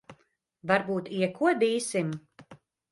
Varbūt iekodīsim?